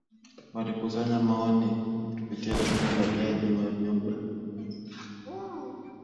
Walikusanya maoni kupitia Tume ya Jaji Warioba